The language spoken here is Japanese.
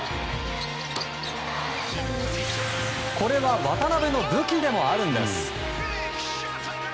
これは渡邊の武器でもあるんです。